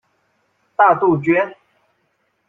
大杜鹃。